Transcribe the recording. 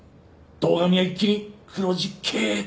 堂上は一気に黒字経営。